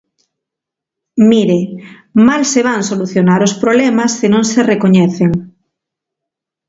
Mire, mal se van solucionar os problemas se non se recoñecen.